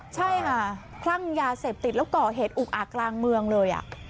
ใช่ค่ะคลั่งยาเสพติดแล้วก่อเหตุอุกอาจกลางเมืองเลย